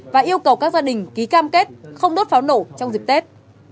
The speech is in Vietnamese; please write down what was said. và yêu cầu các gia đình ký cam kết không đốt pháo nổ trong dịp tết